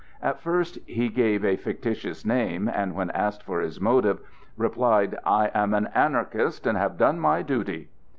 At first he gave a fictitious name, and, when asked for his motive, replied: "I am an Anarchist, and have done my duty."